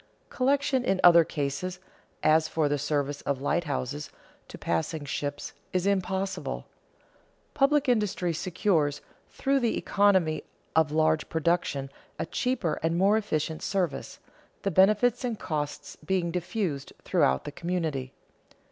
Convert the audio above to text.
Collection in other cases, as for the service of lighthouses to passing ships, is impossible. Public industry secures, through the economy of large production, a cheaper and more efficient service, the benefits and costs being diffused throughout the community.